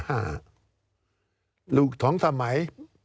หลุกสองสมัย๘